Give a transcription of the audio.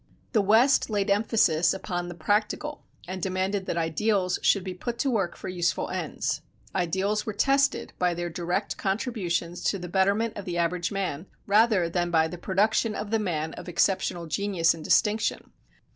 The West laid emphasis upon the practical and demanded that ideals should be put to work for useful ends; ideals were tested by their direct contributions to the betterment of the average man, rather than by the production of the man of exceptional genius and distinction.